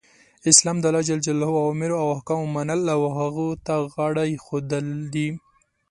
اسلام د الله ج اوامرو او احکامو منل او هغو ته غاړه ایښودل دی .